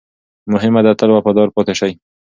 مهمه ده، تل وفادار پاتې شئ.